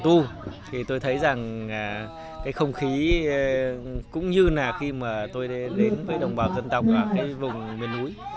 trong lễ hội của văn hóa cà tu thì tôi thấy rằng cái không khí cũng như là khi mà tôi đến với đồng bào dân tộc ở cái vùng miền núi